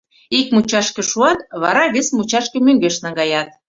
Ик мучашке шуат, вара вес мучашке мӧҥгеш наҥгаят.